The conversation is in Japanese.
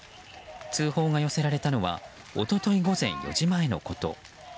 通報が寄せられたのは一昨日午前４時前のこと。